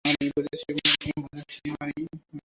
বুঝেছি, মারি।